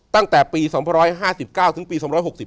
ตั้งแต่ปี๒๕๙ถึงปี๒๖๔